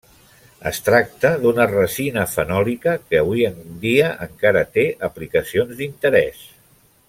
Es tracta d'una resina fenòlica que avui en dia encara té aplicacions d'interès.